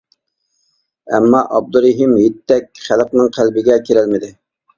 ئەمما ئابدۇرېھىم ھېيتتەك خەلقنىڭ قەلبىگە كىرەلمىدى.